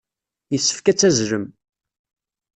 Yessefk ad tazzlem.